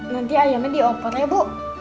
nanti ayamnya di opot ya bu